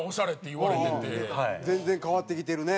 全然変わってきてるね。